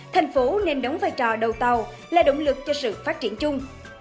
thành phố nên đóng vai trò đầu tàu là động lực cho sự phát triển chung